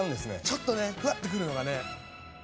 ちょっとねふわっとくるのがね。